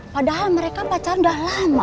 padahal mereka pacaran udah lama